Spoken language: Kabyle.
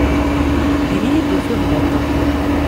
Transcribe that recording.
Din iyi-d tufiḍ bateɣ.